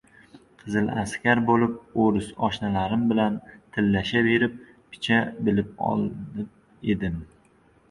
Qizil askar bo‘lib, o‘ris oshnalarim bilan tillasha berib, picha bilib olib edim.